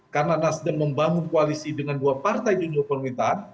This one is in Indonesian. karena nasdem membangun koalisi dengan dua partai junior pemerintahan